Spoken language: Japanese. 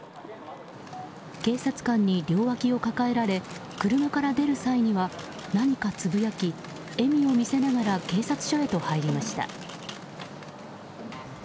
警察官に両脇を抱えられ車から出る際には何かつぶやき、笑みを見せながら警察署へと入りました。